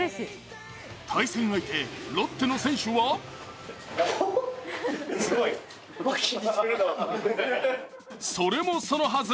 対戦相手、ロッテの選手はそれもそのはず。